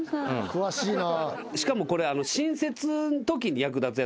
詳しいな。